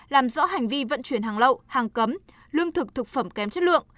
làm rõ hành vi vận chuyển hàng lậu hàng cấm lương thực thực phẩm kém chất lượng